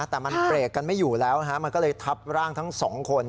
แต่มันเบรกกันไม่อยู่แล้วมันก็เลยทับร่างทั้งสองคน